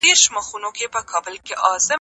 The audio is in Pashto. په اقتصادي رفاه کي ټولنیز عدالت هېر سوی دی.